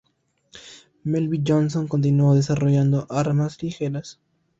Melvin Johnson continuó desarrollando armas ligeras.